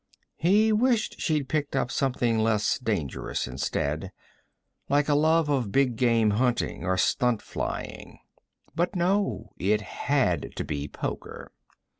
He wished she'd picked up something less dangerous instead, like a love of big game hunting, or stunt flying. But no. It had to be poker.